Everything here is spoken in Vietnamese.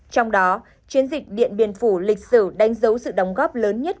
trong đó chiến dịch điện biên phủ lịch sử đánh dấu sự đóng góp lớn nhất